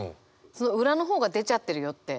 その裏の方が出ちゃってるよって。